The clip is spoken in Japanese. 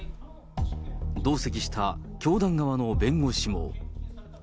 同席した教団側の弁護士も。